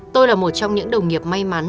tôi là một trong những đồng nghiệp may mắn